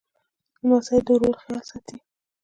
لمسی د ورور خیال ساتي.